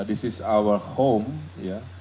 ini adalah rumah kita